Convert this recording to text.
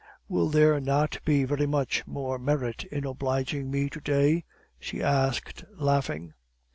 Will there not be very much more merit in obliging me to day?' she asked, laughing.